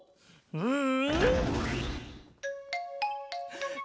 うん。